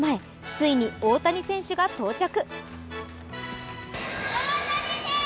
ついに大谷選手が到着。